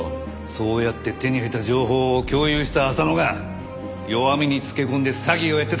そうやって手に入れた情報を共有した浅野が弱みにつけ込んで詐欺をやってたんだな！